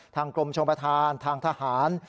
ทางกรมชมภาษาทางทหาร